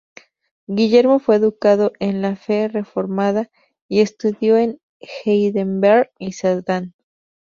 Guillermo fue educado en la fe Reformada, y estudió en Heidelberg y Sedán.